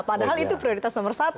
padahal itu prioritas nomor satu